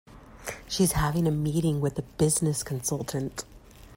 She is having a meeting with a business consultant.